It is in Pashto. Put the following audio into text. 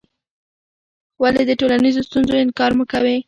ولې د ټولنیزو ستونزو انکار مه کوې؟